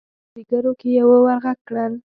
په کارېګرو کې يوه ور غږ کړل: